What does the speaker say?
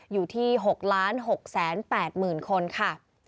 อยู่ที่๖๖๘๐๐๐คนค่ะ